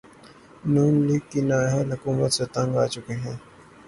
نون League کی نااہل حکومت سے تنگ آچکے ہیں